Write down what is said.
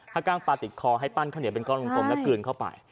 ฮะกล้ามปลาติดคอให้ปั้นขนิดเป็นก้อนกลมแล้วกืนเข้าไป